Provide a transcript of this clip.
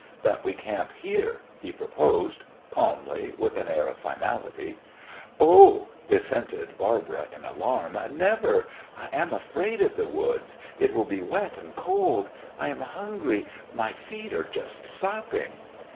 "That we camp here," he proposed, calmly, with an air of finality. "Oh!" dissented Barbara in alarm. "Never! I am afraid of the woods! It will be wet and cold! I am hungry! My feet are just sopping!"